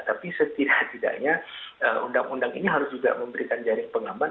tapi setidak tidaknya undang undang ini harus juga memberikan jaring pengambat